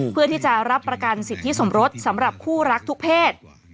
เพื่อที่จะรับประกันสิทธิสมรสสำหรับคู่รักทุกเพศ